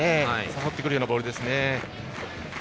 誘ってくるようなボールでした。